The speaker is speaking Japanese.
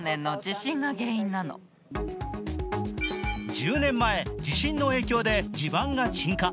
１０年前、地震の影響で地盤が沈下。